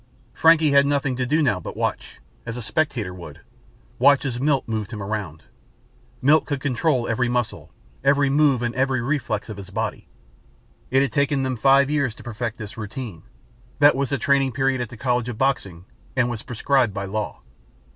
Frankie had nothing to do now but watch, as a spectator would; watch as Milt moved him around. Milt could control every muscle, every move and every reflex of his body. It had taken them five years to perfect this routine. That was the training period at the College of Boxing, and was prescribed by law.